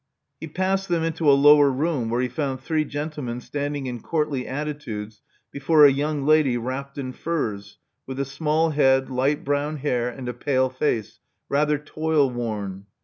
He passed them into a lower room, where he found three gentlemen standing in courtly attitudes before a young lady wrapped in furs, with a small head, light brown hair, and a pale face, rather toil worn.